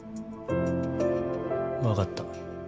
分かった。